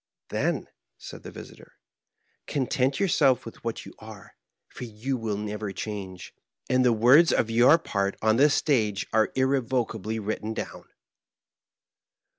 "Then," said the visitor, "content yourself with what you are, for you will never change ; and the words Digitized by VjOOQIC 76 MARKEEIM. of your part on this stage are irrevocably written down."